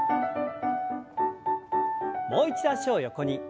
もう一度脚を横に。